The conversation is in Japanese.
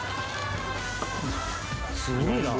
すごいな。